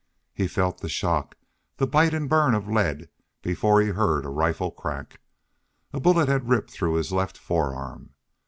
He felt the shock, the bite and burn of lead before he heard a rifle crack. A bullet had ripped through his left forearm.